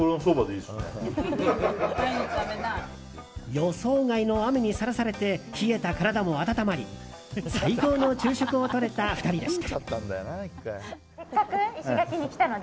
予想外の雨にさらされて冷えた体も温まり最高の昼食をとれた２人でした。